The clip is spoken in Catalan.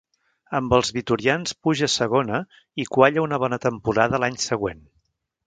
Amb els vitorians puja a Segona i qualla una bona temporada a l'any següent.